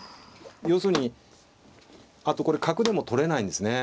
要するにあとこれ角でも取れないんですね。